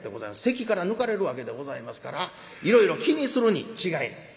籍から抜かれるわけでございますからいろいろ気にするに違いない。